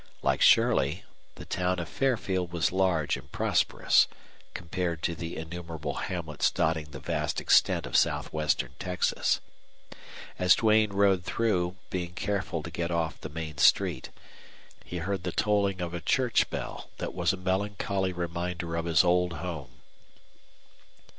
Like Shirley, the town of Fairfield was large and prosperous, compared to the innumerable hamlets dotting the vast extent of southwestern Texas. As Duane rode through, being careful to get off the main street, he heard the tolling of a church bell that was a melancholy reminder of his old home.